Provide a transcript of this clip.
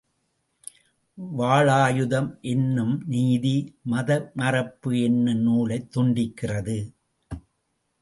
வாளாயுதம் என்னும் நீதி, மதமறுப்பு என்னும் நூலைத் துண்டிக்கிறது.